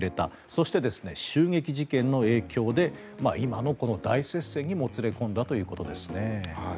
そして、襲撃事件の影響で今の大接戦にもつれ込んだということですね。